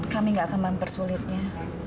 kami tidak akan mempersulitnya